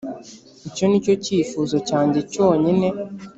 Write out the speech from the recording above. Icyo nicyo kifuzo cyange cyonyine